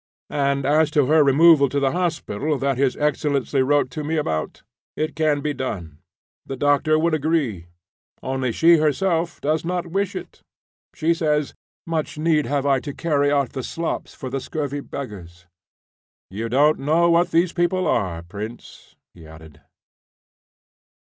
And as to her removal to the hospital, that his excellency wrote to me about, it can be done; the doctor would agree. Only she herself does not wish it. She says, 'Much need have I to carry out the slops for the scurvy beggars.' You don't know what these people are, Prince," he added.